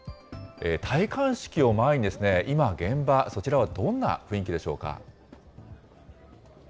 戴冠式を前に、今現場、そちらはどんな雰囲気でしょうか。